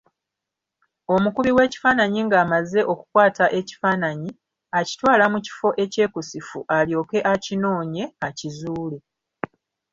Omukubi w'ekifaananyi ng'amaze okukwata ekifaananyi, akitwala mu kifo ekyekusifu alyoke akinoonye, akizuule.